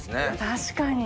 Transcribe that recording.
確かに。